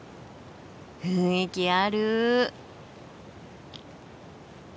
雰囲気ある！